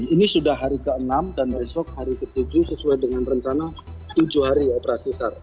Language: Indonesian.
ini sudah hari ke enam dan besok hari ke tujuh sesuai dengan rencana tujuh hari operasi sar